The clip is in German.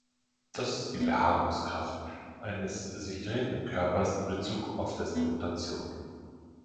Das ist die Beharrungskraft eines sich drehenden Körpers in Bezug auf dessen Rotation.